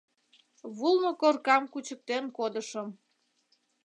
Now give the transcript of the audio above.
Вулно коркам кучыктен кодышым.